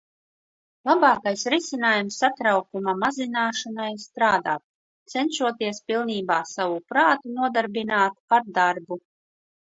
Labākais risinājums satraukuma mazināšanai -strādāt, cenšoties pilnībā savu prātu nodarbināt ar darbu.